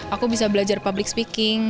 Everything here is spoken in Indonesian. aku bisa belajar public speaking